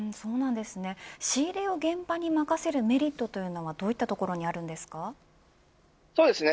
仕入れを現場に任せるメリットというのはどういったところにあるんですか。